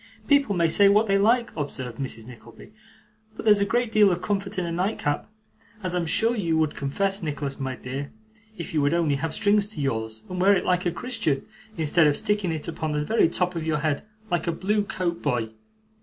'People may say what they like,' observed Mrs. Nickleby, 'but there's a great deal of comfort in a nightcap, as I'm sure you would confess, Nicholas my dear, if you would only have strings to yours, and wear it like a Christian, instead of sticking it upon the very top of your head like a blue coat boy.